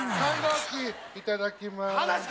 いただきます。